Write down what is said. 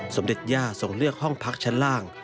สมเด็จย่าส่งเลือกห้องพักชั้นล่าง